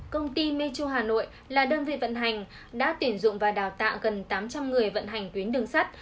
công ty metro hà nội là đơn vị vận hành đã tuyển dụng và đào tạo gần tám trăm linh người vận hành tuyến đường sắt